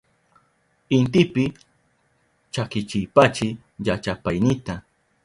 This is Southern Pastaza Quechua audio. Intipi chakichipaychi llachapaynita.